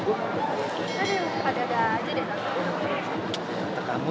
aduh ada ada aja deh tante kamu